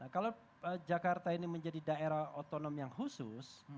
kalau jakarta ini menjadi daerah otonom yang khusus